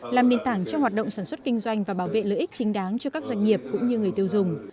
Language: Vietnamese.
làm nền tảng cho hoạt động sản xuất kinh doanh và bảo vệ lợi ích chính đáng cho các doanh nghiệp cũng như người tiêu dùng